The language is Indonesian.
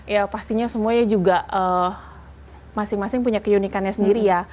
ya pastinya semua ya juga masing masing punya keunikannya sendiri ya